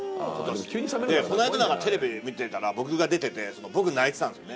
この間なんかテレビ見てたら僕が出てて僕泣いてたんですよね。